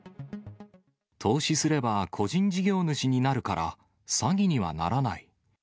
投資すれば個人事業主になるから、詐欺にはならない。